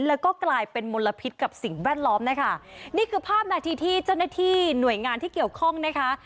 แล้วก็กลายเป็นมลพิษกับสิ่งแวดล้อมนะคะนี่คือภาพนาทีที่เจ้าหน้าที่หน่วยงานที่เกี่ยวข้องนะคะ